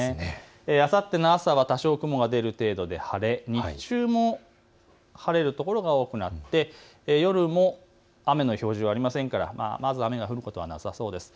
あさっての朝は多少雲が出る程度で晴れ、日中も晴れる所が多くなって夜も雨の表示はありませんから雨が降ることはなさそうです。